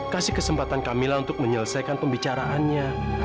kasih kesempatan kamilah untuk menyelesaikan pembicaraannya